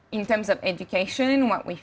menurut pendidikan kami